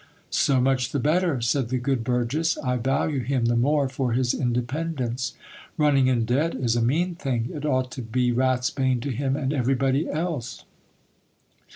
So much the better ! said the good burgess : I value him the more for his independence. Running in debt is a mean thing ; it ought to be ratsbane to him and everybody else.